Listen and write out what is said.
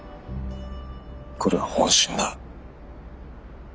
これは本心だ。